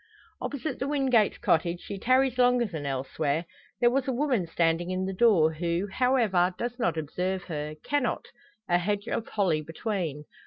Opposite the Wingates' cottage she tarries longer than elsewhere. There was a woman standing in the door, who, however, does not observe her cannot a hedge of holly between.